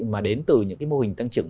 mà đến từ những cái mô hình tăng trưởng